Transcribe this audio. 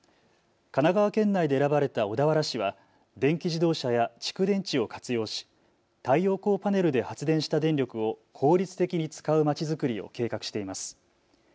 神奈川県内で選ばれた小田原市は電気自動車や蓄電池を活用し太陽光パネルで発電した電力を効率的に使うまちづくりを計画しています。